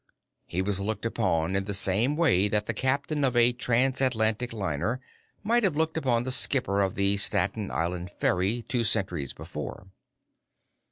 He was looked upon in the same way that the captain of a transatlantic liner might have looked upon the skipper of the Staten Island ferry two centuries before.